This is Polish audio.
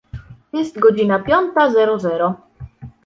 Jest godzina piąta zero zero.